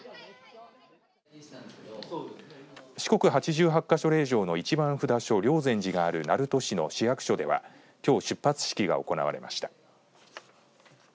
四国八十八か所霊場の１番札所霊山寺がある鳴門市の市役所ではきょう出発式が行われました。